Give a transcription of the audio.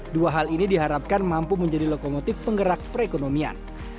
dua hal ini diharapkan mampu menjadi lokomotif penggerak perekonomian